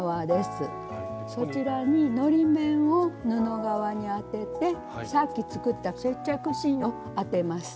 そちらにのり面を布側に当ててさっき作った接着芯を当てます。